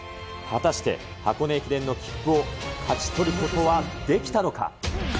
果たして箱根駅伝の切符を勝ち取ることはできたのか。